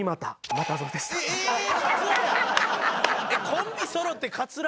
コンビそろってかつら？